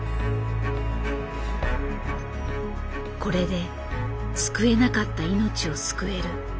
これで救えなかった命を救える。